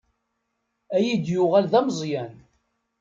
Ad iyi-d-yuɣal d ameẓyan.